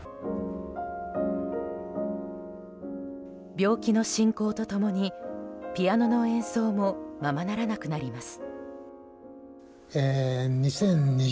病気の進行と共にピアノの演奏もままならなくなります。